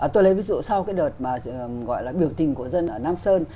tôi lấy ví dụ sau cái đợt mà gọi là biểu tình của dân ở nam sơn